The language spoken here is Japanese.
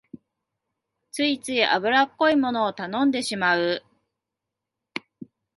ついつい油っこいものを頼んでしまう